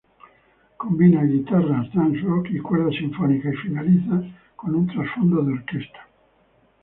Combina guitarras "dance-rock" y cuerdas sinfónicas, y finaliza con un trasfondo de orquesta.